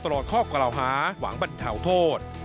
ตลอดข้อกล่าวหาหวังบรรเทาโทษ